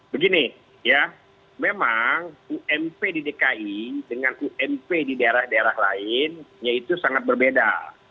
begini ya memang ump di dki dengan ump di daerah daerah lain yaitu sangat berbeda